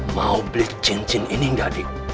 mau beli cincin ini gak barbari